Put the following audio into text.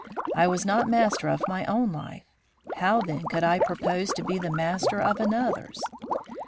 I was not master of my own life; how, then, could I propose to be the master of another's?